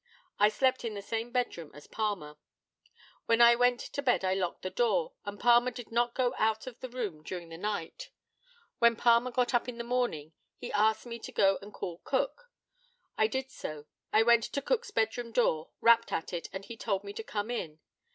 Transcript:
I slept in the same bedroom as Palmer. When I went to bed I locked the door, and Palmer did not go out of the room during the night. When Palmer got up in the morning, he asked me to go and call Cook. I did so. I went to Cook's bed room door, rapped at it, and he told me to come in.